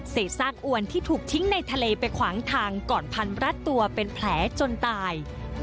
ซากอวนที่ถูกทิ้งในทะเลไปขวางทางก่อนพันรัดตัวเป็นแผลจนตาย